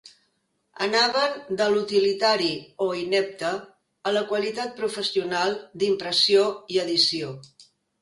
Anaven de l'utilitari o inepte a la qualitat professional d'impressió i edició.